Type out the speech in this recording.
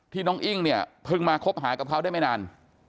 น้องอิ้งเนี่ยเพิ่งมาคบหากับเขาได้ไม่นาน